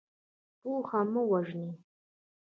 پوه مه وژنئ.